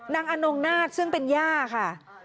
อนงนาฏซึ่งเป็นย่าค่ะ